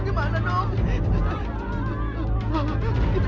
ngomong apaan di sini ada masalah apa